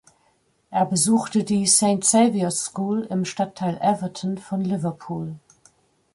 Er besuchte die "St Saviour’s School" im Stadtteil Everton von Liverpool.